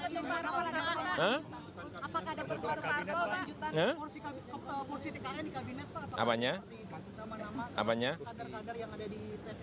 ilmu untuk begini